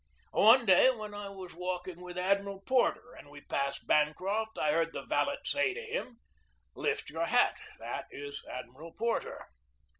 One day when I was walking with Admiral Porter and we passed Bancroft I heard the valet say to him: "Lift your hat. That is Admiral Porter."